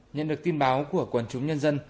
nhận được tin báo của quần chúng nhân dân